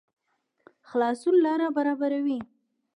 خلاصون لاره برابروي